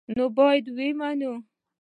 نو باید ویې مني.